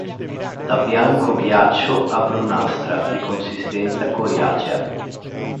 Da bianco-ghiaccio a brunastra, di consistenza coriacea.